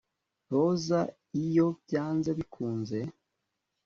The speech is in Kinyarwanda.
Roza iyo byanze bikunze